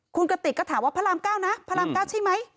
คุณกติกก็ถามว่าพระราม๙นะพระราม๙ใช่ไหม